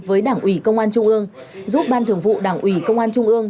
với đảng ủy công an trung ương giúp ban thường vụ đảng ủy công an trung ương